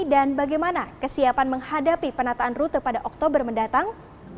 dan bagaimana kesiapan menghadapi penataan rute pada oktober mendatang